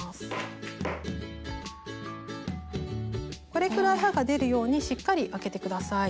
これくらい刃が出るようにしっかりあけて下さい。